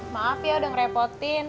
maaf ya udah ngerepotin